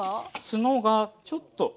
ツノがちょっと。